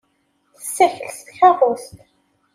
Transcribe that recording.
Tessakel s tkeṛṛust.